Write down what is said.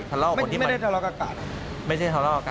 ก็ไม่ได้ทะเลาะกันกับใคร